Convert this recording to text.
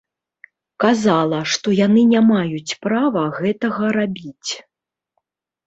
Казала, што яны не маюць права гэтага рабіць.